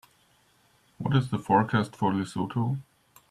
what is the forecast for Lesotho